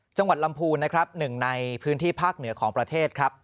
จังหวัดลำพูนนะครับหนึ่งในพื้นที่ภาคเหนือของประเทศครับ